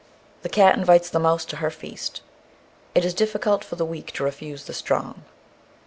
The cat invites the mouse to her feast. It is difficult for the weak to refuse the strong.